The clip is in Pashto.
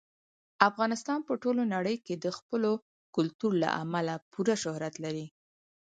افغانستان په ټوله نړۍ کې د خپل کلتور له امله پوره شهرت لري.